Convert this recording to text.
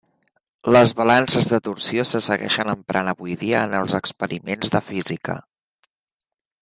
Les balances de torsió se segueixen emprant avui dia en els experiments de física.